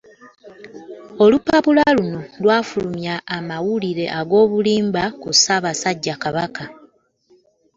Olupapula luno lwafulumya amawulire ag'obulimba ku Ssaabasajja Kabaka.